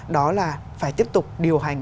đó là phải tiếp tục điều hành